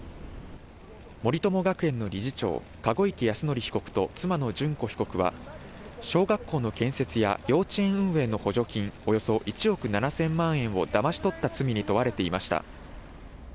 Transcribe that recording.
森友学園の理事長、籠池泰典被告と妻の諄子被告は、小学校の建設や幼稚園運営の補助金、およそ１億７０００万円をだまし取った罪に問われていました。